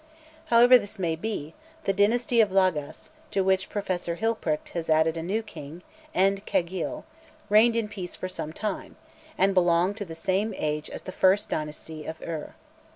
However this may be, the dynasty of Lagas (to which Professor Hilprecht has added a new king, En Khegal) reigned in peace for some time, and belonged to the same age as the first dynasty of Ur.